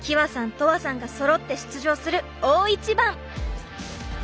とわさんがそろって出場する大一番！